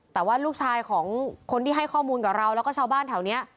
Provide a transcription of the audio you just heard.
แต่ว่าลูกชายของคนที่ให้ข้อมูลกับเราแล้วก็ชาวบ้านแถวนี้